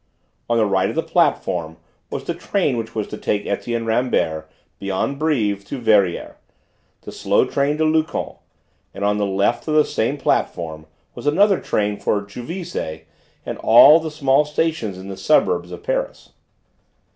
On the right of the platform was the train which was to take Etienne Rambert beyond Brives to Verrières, the slow train to Luchon; and on the left of the same platform was another train for Juvisy and all the small stations in the suburbs of Paris.